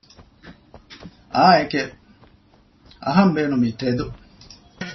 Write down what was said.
އާނއެކެވެ! އަހަން ބޭނުމީ ތެދު